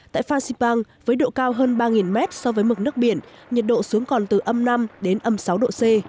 tại pha xipang với độ cao hơn ba mét so với mực nước biển nhiệt độ xuống còn từ âm năm đến âm sáu độ c